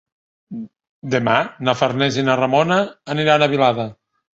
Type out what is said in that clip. Demà na Farners i na Ramona aniran a Vilada.